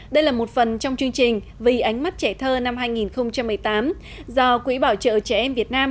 đây là một phần trong chương trình vì ánh mắt trẻ thơ năm hai nghìn một mươi tám do quỹ bảo trợ trẻ em việt nam